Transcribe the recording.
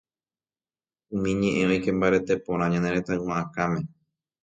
umi ñe'ẽ oike mbarete porã ñane retãygua akãme.